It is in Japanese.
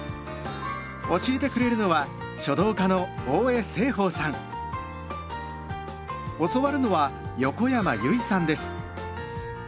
教えてくれるのは教わるのは横山由依さんです。